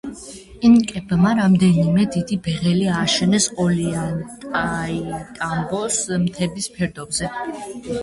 ინკებმა რამდენიმე დიდი ბეღელი ააშენეს ოლიანტაიტამბოს მთების ფერდობებზე.